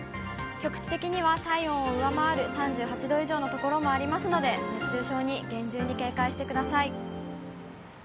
局地的には体温を上回る３８度以上の所もありますので、熱中症に厳重に警戒してください。